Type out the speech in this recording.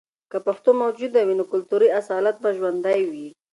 که پښتو موجوده وي، نو کلتوري اصالت به ژوندۍ وي.